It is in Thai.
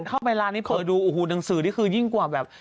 เข้าไปร้านนี้เปิดดูโอ้โหหนังสือนี่คือยิ่งกว่าแบบ